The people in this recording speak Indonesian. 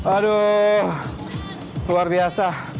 aduh luar biasa